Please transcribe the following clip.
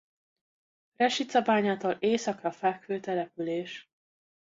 Resicabányától északra fekvő település.